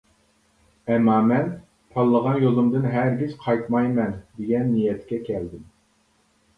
ئەمما مەن تاللىغان يولۇمدىن ھەرگىز قايتمايمەن دېگەن نىيەتكە كەلدىم.